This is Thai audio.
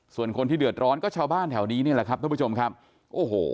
ส่วนคนที่เดือดร้อนก็ชาวบ้านแถวนี้นี่แหละครับท่านผู้ชมครับโอ้โห